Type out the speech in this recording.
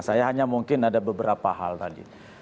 saya hanya mungkin ada beberapa hal tadi